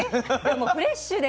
もうフレッシュで。